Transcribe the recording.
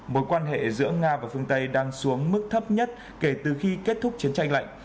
mối quan hệ giữa nga và phương tây đang xuống mức thấp nhất kể từ khi kết thúc chiến tranh lạnh